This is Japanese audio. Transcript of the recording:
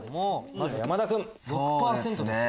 まず山田君６％です。